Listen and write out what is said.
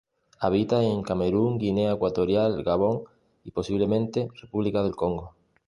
Habita en Camerún, Guinea Ecuatorial, Gabón y posiblemente República del Congo.